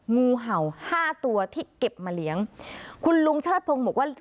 งูเห่าห้าตัวที่เก็บมาเลี้ยงคุณลุงเชิดพงศ์บอกว่า